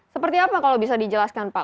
seperti apa kalau bisa dijelaskan pak